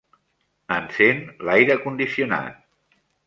Encén l'aire condicionat